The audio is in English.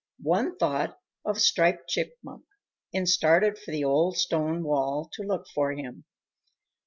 One thought of Striped Chipmunk and started for the old stone wall to look for him.